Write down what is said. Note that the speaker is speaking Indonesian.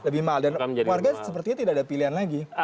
lebih mahal dan warga sepertinya tidak ada pilihan lagi